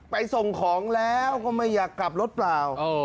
ไปส่งของแล้วก็ไม่อยากกลับรถเปล่า